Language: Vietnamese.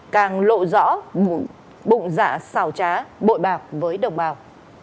càng lộ rõ bụng dạ xào trá bội bạc với đồng bào